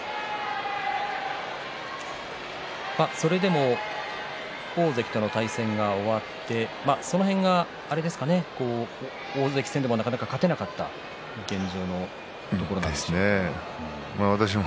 それでも大関との対戦が終わってその辺が大関戦でもなかなか勝てなかった現状のところですけれども。